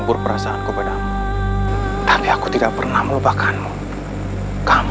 beraninya kau denganku